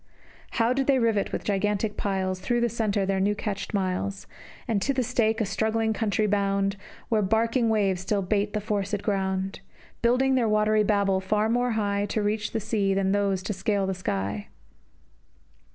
How did they rivet with gigantic piles, Thorough the centre, their new catched miles, And to the stake a struggling country bound, Where barking waves still bait the forced ground; Building their watery Babel far more high To reach the sea than those to scale the sky!